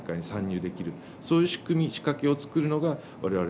そういう仕組み仕掛けを作るのが我々の取り組みです。